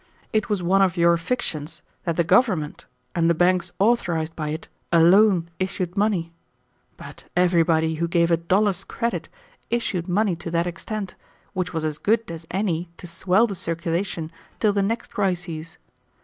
It was one of your fictions that the government and the banks authorized by it alone issued money; but everybody who gave a dollar's credit issued money to that extent, which was as good as any to swell the circulation till the next crises.